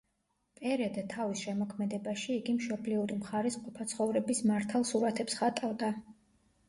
პერედა თავის შემოქმედებაში იგი მშობლიური მხარის ყოფა-ცხოვრების მართალ სურათებს ხატავდა.